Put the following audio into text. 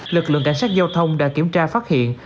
lực lượng cảnh sát giao thông đã kiểm tra phát hiện